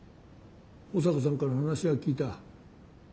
保坂さんから話は聞いた。